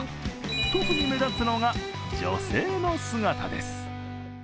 特に目立つのが、女性の姿です。